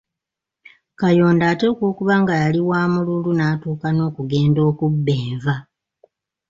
Kayondo ateekwa okuba nga yali wa mululu n’atuuka n’okugenda okubba enva.